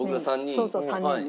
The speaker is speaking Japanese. そうそう３人ね。